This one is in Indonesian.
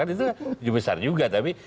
itu besar juga tapi